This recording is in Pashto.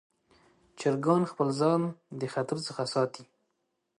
چرګان خپل ځان د خطر څخه ساتي.